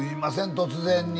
突然に。